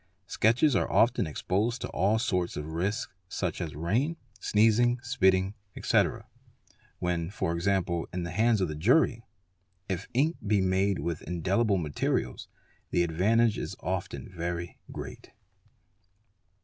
Sketches are often exposed to all sorts of risks such as rain sneezing, spitting, etc., when e.g., in the hands of the jury. If ink be made with indelibl materials the advantage is often very great.